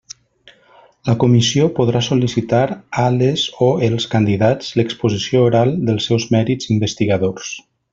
La Comissió podrà sol·licitar a les o els candidats l'exposició oral dels seus mèrits investigadors.